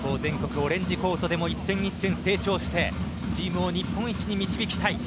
オレンジコートでも一戦一戦成長してチームを日本一に導きたい。